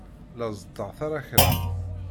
La ẓeṭṭeɣ taṛakna.